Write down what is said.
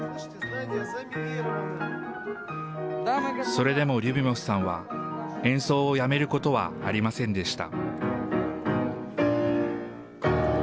それでもリュビモフさんは、演奏をやめることはありませんでした。